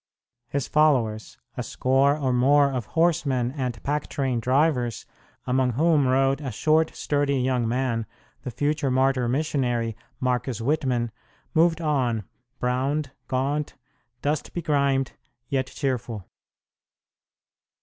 His followers, a score or more of horsemen and pack train drivers, among whom rode a short sturdy young man, the future martyr missionary, Marcus Whitman, moved on, browned, gaunt, dust begrimed, yet cheerful.